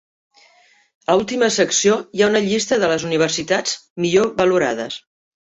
A l'última secció hi ha una llista de les universitats millor valorades.